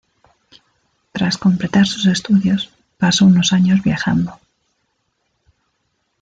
Tras completar sus estudios, pasó unos años viajando.